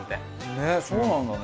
ねっそうなんだね。